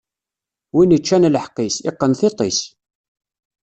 Win iččan lḥeqq-is, iqqen tiṭ-is!